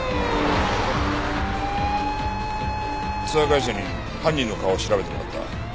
ツアー会社に犯人の顔を調べてもらった。